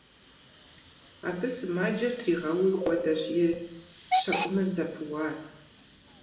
Абы сымаджэр тригъэуи хуэдэщ – и щэӏуныр зэпыуащ.